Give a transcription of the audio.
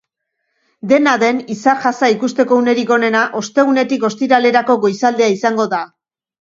Dena den, izar-jasa ikusteko unerik onena ostegunetik ostiralerako goizaldea izango da.